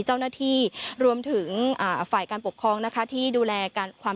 เจ้าหน้าที่รวมถึงอ่าฝ่ายการปกครองนะคะที่ดูแลการความ